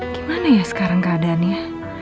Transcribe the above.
gimana ya sekarang keadaannya